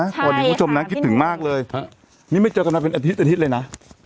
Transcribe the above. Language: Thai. ใช่ค่ะคุณผู้ชมนั้นคิดถึงมากเลยฮะนี่ไม่เจอกันนานเป็นอาทิตย์อาทิตย์เลยน่ะ